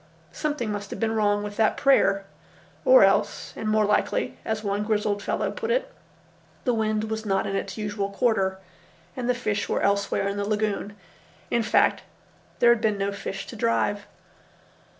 Something must have been wrong with that prayer; or else, and more likely, as one grizzled fellow put it, the wind was not in its usual quarter and the fish were elsewhere in the lagoon. In fact, there had been no fish to drive.